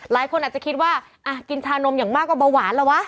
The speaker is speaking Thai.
หลายคนอาจจะคิดว่ากินชานมอย่างมากก็เบาหวานแล้ววะ